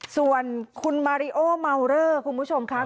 ส่วนคุณมาริโอเมาเลอร์คุณผู้ชมครับ